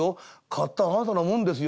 買ったあなたのもんですよ」。